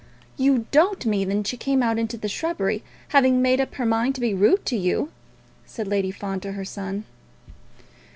"You don't mean that she came out into the shrubbery, having made up her mind to be rude to you?" said Lady Fawn to her son.